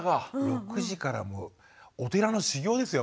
６時からもうお寺の修行ですよ